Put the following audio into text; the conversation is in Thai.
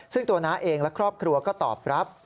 ซึ่งตัวน้าเองและครอบครัวก็ตอบรับ